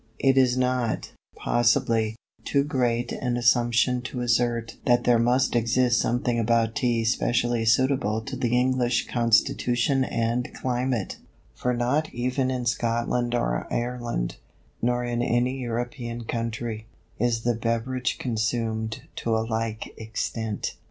It is not, possibly, too great an assumption to assert that there must exist something about Tea specially suitable to the English constitution and climate; for not even in Scotland or Ireland, nor in any European country, is the beverage consumed to a like extent.